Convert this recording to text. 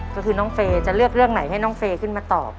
ก็คือน้องเฟย์จะเลือกเรื่องไหนให้น้องเฟย์ขึ้นมาตอบ